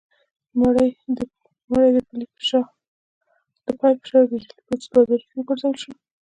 مړی د پیل په شا د ډیلي په بازارونو کې وګرځول شو.